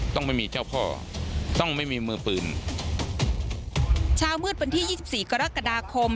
ต้องไม่มีเจ้าพ่อต้องไม่มีมือปืนเช้ามืดวันที่ยี่สิบสี่กรกฎาคม